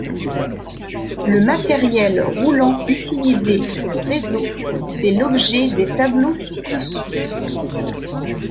Le matériel roulant utilisé sur le réseau fait l'objet des tableaux ci-dessous.